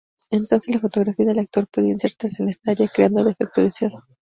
Entonces la fotografía del actor puede insertarse en esta área, creando el efecto deseado.